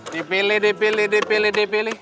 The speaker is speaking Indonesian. dipilih dipilih dipilih dipilih